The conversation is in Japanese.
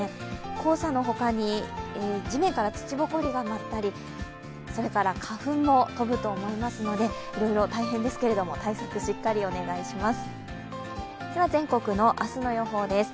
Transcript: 黄砂のほかに地面から土ぼこりが舞ったり、それから花粉も飛ぶと思いますのでいろいろ、大変ですけれども対策しっかりお願いします。